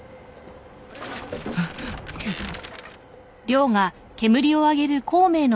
・・あっくっ。